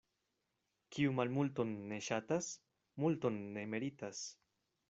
Kiu malmulton ne ŝatas, multon ne meritas.